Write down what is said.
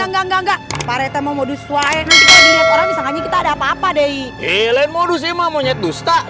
enggak enggak enggak paretta modus wae orang kita ada apa apa deh lain modus imam monyet